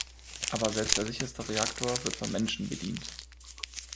Aber selbst der sicherste Reaktor wird von Menschen bedient.